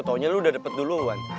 taunya lu udah dapet duluan